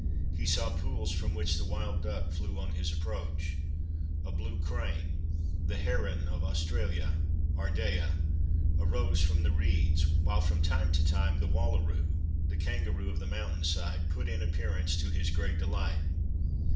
He saw pools from which the wild duck flew on his approach. A blue crane, the heron of Australia (Ardea) rose from the reeds; while from time to time the wallaroo (the kangaroo of the mountain side) put in appearance to his great delight.